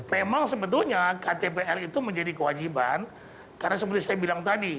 memang sebetulnya ktpl itu menjadi kewajiban karena seperti saya bilang tadi